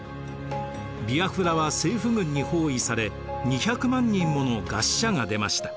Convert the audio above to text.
ビアフラは政府軍に包囲され２００万人もの餓死者が出ました。